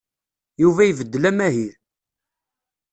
Yuba ibeddel amahil.